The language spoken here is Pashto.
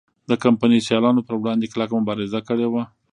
د کمپنۍ سیالانو پر وړاندې کلکه مبارزه کړې وه.